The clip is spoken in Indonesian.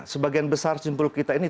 sebagian besar simpul kita ini